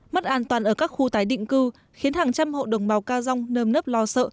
mất an toàn ở các khu tái định cư khiến hàng trăm hộ đồng bào ca dông nơm nớp lo sợ